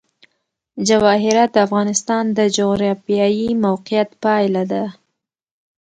جواهرات د افغانستان د جغرافیایي موقیعت پایله ده.